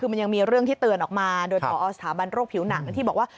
คือมันยังมีเรื่องที่เตือนออกมาโดยพอสถาบันโรคผิวหนังที่บอกว่า